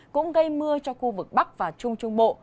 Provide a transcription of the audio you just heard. cũng gây mưa cho khu vực bắc và trung trung bộ